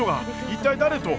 一体誰と？